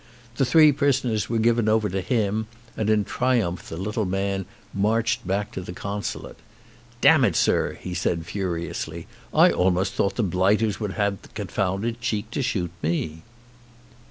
The three prisoners were given over to him and in triumph the little man marched back to the consulate. "Damn it, Sir," he said furiously, "I almost thought the blighters would have the confounded cheek to shoot me."